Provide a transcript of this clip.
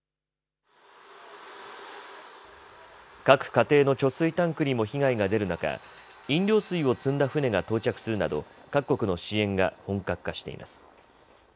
各家庭の貯水タンクにも被害が出る中、飲料水を積んだ船が到着するなど各国の支援が本格化しています。